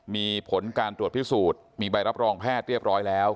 มีผลการตรวจพิสูจน์มีใบรับรองแพทย์เรียบร้อยแล้ว